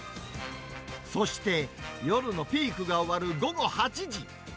そして夜のピークが終わる午後８時。